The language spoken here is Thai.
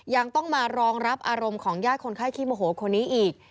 ยังต้องมารองรับอารมณ์ของญาติคนไข้ขี้โมโหคนนี้อีก